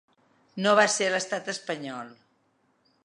No va ser l’estat espanyol.